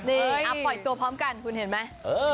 นี่เอาปล่อยตัวพร้อมกันคุณเห็นมั้ย